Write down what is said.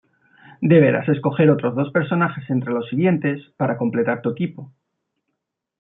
Deberás escoger otros dos personajes entre los siguientes para completar tu equipo.